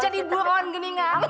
jadi buruan gini kami